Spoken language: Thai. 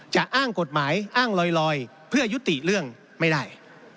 จะอ้างกฎหมายอ้างลอยเพื่อยุติเรื่องไม่ได้